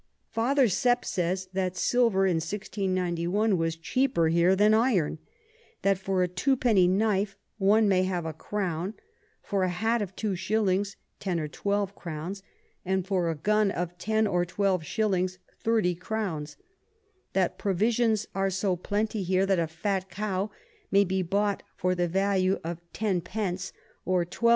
Father Sepp says, that Silver in 1691. was cheaper here than Iron; that for a Twopenny Knife one may have a Crown, for a Hat of two Shillings 10 or 12 Crowns, and for a Gun of ten or twelve Shillings 30 Crowns; that Provisions are so plenty here, that a fat Cow may be bought for the Value of 10 d. or 12 _d.